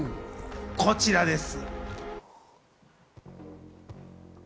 こちらです。